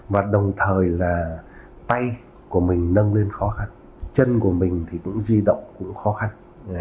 và đồng thời là tay của mình nâng lên khó khăn chân của mình thì cũng di động cũng khó khăn